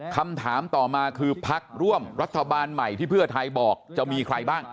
คำถามต่อมาคือพักร่วมรัฐบาลใหม่ที่เพื่อไทยบอกจะมีใครบ้าง